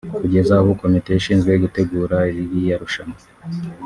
Kugeza ubu Komite ishinzwe gutegura ririya rushanwa